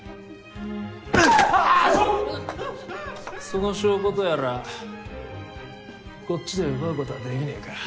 その証拠とやらこっちで奪うことはできねぇか？